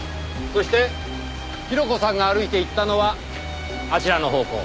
そして広子さんが歩いていったのはあちらの方向。